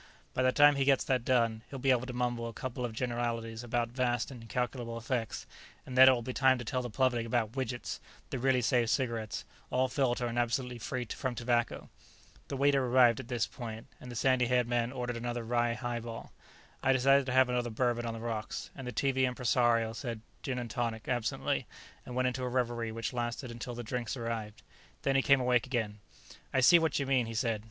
By the time he gets that done, he'll be able to mumble a couple of generalities about vast and incalculable effects, and then it'll be time to tell the public about Widgets, the really safe cigarettes, all filter and absolutely free from tobacco." The waiter arrived at this point, and the sandy haired man ordered another rye highball. I decided to have another bourbon on the rocks, and the TV impresario said, "Gin and tonic," absently, and went into a reverie which lasted until the drinks arrived. Then he came awake again. "I see what you mean," he said.